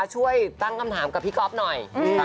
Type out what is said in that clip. ช่วยตั้งคำถามกับพี่ก๊อฟหน่อย